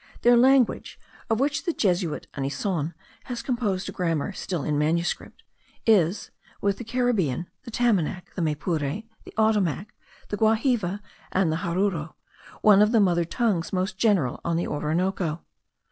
Their language, of which the Jesuit Anisson has composed a grammar still in manuscript, is, with the Caribbean, the Tamanac, the Maypure, the Ottomac, the Guahive, and the Jaruro, one of the mother tongues most general on the Orinoco.